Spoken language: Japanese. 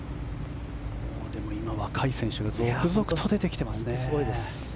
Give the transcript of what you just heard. でも今、若い選手が続々と出てきていますね。